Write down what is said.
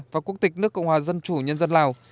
và quốc tịch nước cộng hòa dân chủ nhân dân lào